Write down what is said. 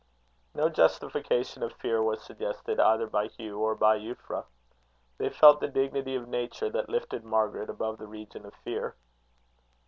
No justification of fear was suggested either by Hugh or by Euphra. They felt the dignity of nature that lifted Margaret above the region of fear.